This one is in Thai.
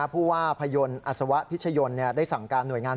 ผู้ว่าพยนตร์อัศวะพิชยนต์ได้สั่งการหน่วยงาน